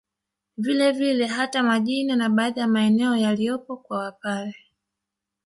Vile vile hata majina na baadhi ya maeneo yaliyopo kwa Wapare